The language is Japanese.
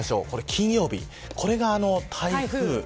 金曜日これが台風。